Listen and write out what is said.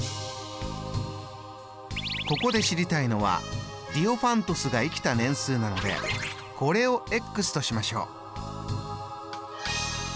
ここで知りたいのはディオファントスが生きた年数なのでこれをとしましょう。